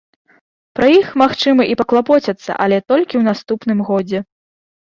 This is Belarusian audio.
Пра іх, магчыма, і паклапоцяцца, але толькі ў наступным годзе.